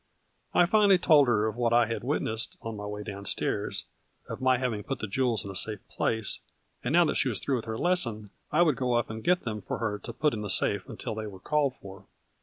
I finally told her of what I had witnessed on my way down stairs, of my having put the jewels in a safe place, and that now that she was through with her lesson, I would go up and get them for her to put in the safe until they were called for.